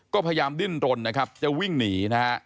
ก็พยายามดิ้นรนนะครับจะวิ่งหนีนะฮะ